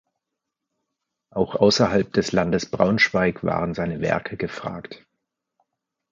Auch außerhalb des Landes Braunschweig waren seine Werke gefragt.